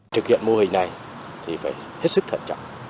thực hiện mô hình này thì phải hết sức thận trọng